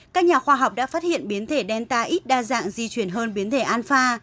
các nhà khoa học đã phát hiện biến thể delta x đa dạng di chuyển hơn biến thể alpha